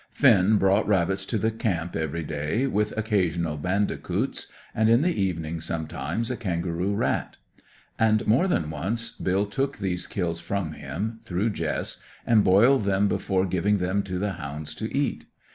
Finn brought rabbits to the camp every day, with occasional bandicoots, and in the evening, sometimes, a kangaroo rat. And, more than once, Bill took these kills from him, through Jess, and boiled them before giving them to the hounds to eat.